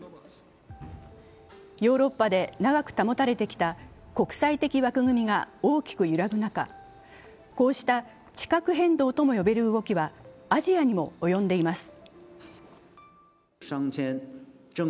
ヨーロッパで長く保たれてきた国際的枠組みが大きく揺らぐ中、こうした地殻変動とも呼べる動きはアジアにも及んでいます。